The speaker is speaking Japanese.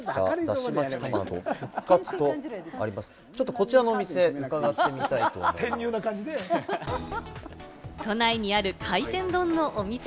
こちらのお店、探してみたい都内にある海鮮丼のお店。